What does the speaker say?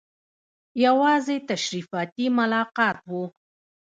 یوازې تشریفاتي ملاقات وو.